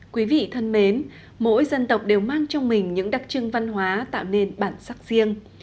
quý vị thân mến mỗi dân tộc đều mang trong mình những đặc trưng văn hóa tạo nên bản sắc riêng